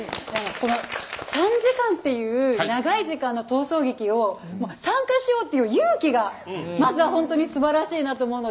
３時間という長い時間の逃走劇を参加しようっていう勇気が、まず本当に素晴らしいなと思うので。